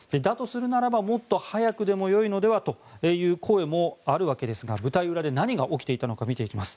するならばもっと早くでもよいのではという声もあるわけですが舞台裏で何が起きたのか見ていきます。